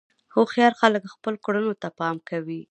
هوښیار خلک خپلو کړنو ته پام کوي.